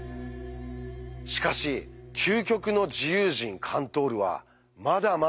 しかし究極の自由人カントールはまだ満足しません。